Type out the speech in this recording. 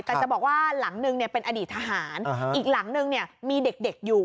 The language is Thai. แต่จะบอกว่าหลังนึงเนี่ยเป็นอดีตทหารอีกหลังนึงเนี่ยมีเด็กอยู่